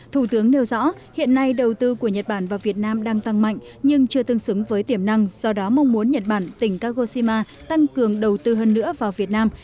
thủ tướng nêu rõ hiện nay đầu tư của nhật bản vào việt nam đang tăng mạnh nhưng chưa tương xứng với tiềm năng do đó mong muốn nhật bản tỉnh kagoshima tăng cường đầu tư hơn nữa vào việt nam